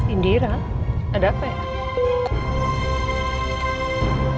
indira ada apa ya